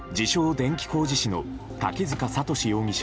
電気工事士の滝塚智容疑者